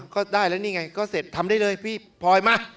ก็ได้แล้วนี่ไงก็เสร็จทำได้เลยพี่พลอยมา